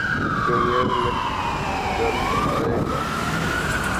junior ملک جلد ائے گا